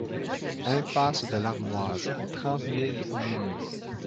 Impasse de l'Armoise, trente mille Nîmes